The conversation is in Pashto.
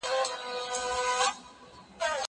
هغه وويل چي پوښتنه مهمه ده؟